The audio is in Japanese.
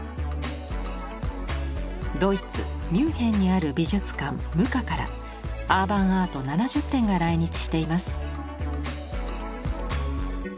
ドイツミュンヘンにある美術館ＭＵＣＡからアーバン・アート７０点が来日しています。